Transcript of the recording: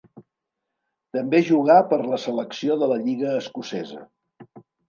També jugà per la selecció de la lliga escocesa.